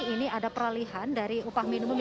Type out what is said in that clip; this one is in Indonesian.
ini ada peralihan dari upah minimum